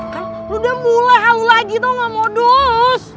kan lo udah mulai hal lagi tuh nggak mau duus